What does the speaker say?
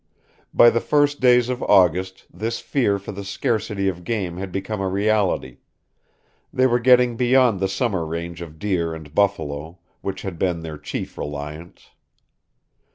By the first days of August this fear for the scarcity of game had become a reality; they were getting beyond the summer range of deer and buffalo, which had been their chief reliance.